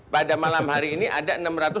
pada malam hari ini ada enam ratus dua puluh enam